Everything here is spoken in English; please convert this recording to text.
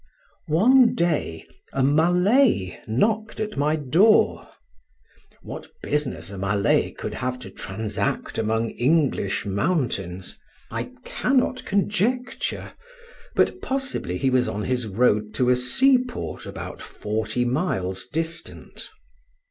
One day a Malay knocked at my door. What business a Malay could have to transact amongst English mountains I cannot conjecture; but possibly he was on his road to a seaport about forty miles distant.